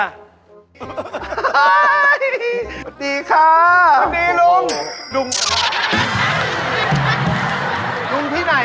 อันนี้ก็ลูกตา